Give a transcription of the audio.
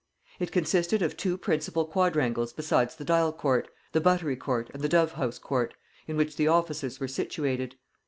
It consisted of two principal quadrangles besides the dial court, the buttery court and the dove house court, in which the offices were situated.